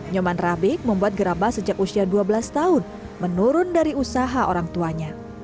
nyoman rabik membuat gerabah sejak usia dua belas tahun menurun dari usaha orang tuanya